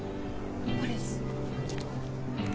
これです。